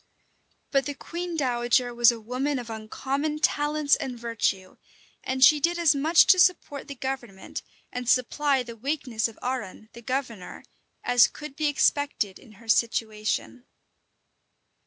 But the queen dowager was a woman of uncommon talents and virtue; and she did as much to support the government, and supply the weakness of Arran, the governor, as could be expected in her situation.